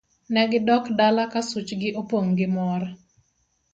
Ne gidok dala ka suchgi opong' gi mor.